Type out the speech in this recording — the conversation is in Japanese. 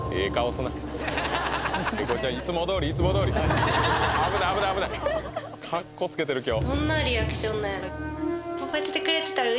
すな英孝ちゃんいつもどおりいつもどおり危ない危ない危ないかっこつけてる今日